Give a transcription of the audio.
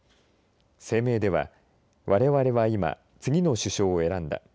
声明では、われわれは今、次の首相を選んだ。